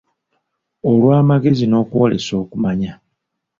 Olw’amagezi n’okwolesa okumanya.